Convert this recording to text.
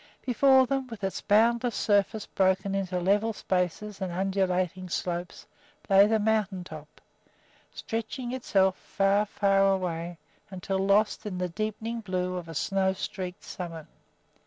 Before them, with its boundless surface broken into level spaces and undulating slopes, lay the mountain top, stretching itself far, far away, until lost in the deepening blue of a snow streaked summit.